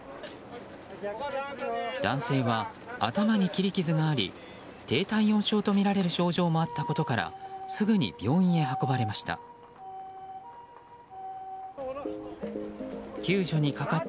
男性は頭に切り傷があり低体温症とみられる症状もあったことからすぐに病院に運ばれました。